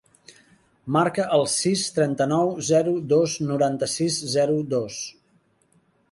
Marca el sis, trenta-nou, zero, dos, noranta-sis, zero, dos.